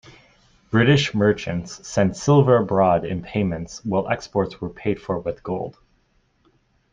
British merchants sent silver abroad in payments while exports were paid for with gold.